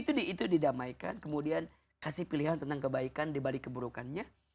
jadi itu didamaikan kemudian kasih pilihan tentang kebaikan dibalik keburukannya